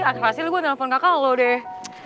akhir akhir asli gue telepon kakak lo deh